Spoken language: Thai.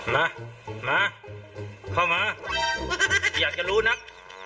นะมาเข้ามาอยากจะรู้นัก